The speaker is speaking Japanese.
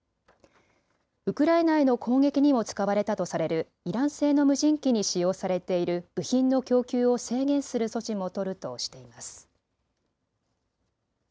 ウクライナへの攻撃にも使われたとされるイラン製の無人機に使用されている部品の供給を制限する措置も取るとしています。